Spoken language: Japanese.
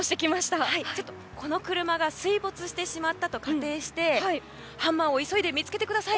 この車が水没してしまったと仮定して、ハンマーを急いで見つけてください。